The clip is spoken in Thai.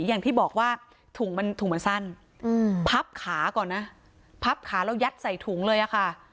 อย่างที่บอกว่าถุงมันถุงมันสั้นพับขาก่อนนะพับขาแล้วยัดใส่ถุงเลยอะค่ะ